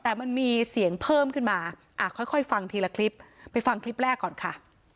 แต่มันมีเสียงเพิ่มขึ้นมาอ่ะค่อยค่อยฟังทีละคลิปไปฟังคลิปแรกก่อนค่ะ